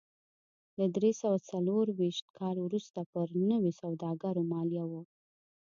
له درې سوه څلرویشت کال وروسته پر نویو سوداګرو مالیه و